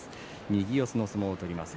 右四つの相撲を取ります。